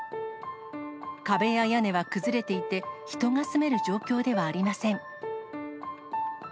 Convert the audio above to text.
壁や屋根は崩れていて、人が住める状況ではありません。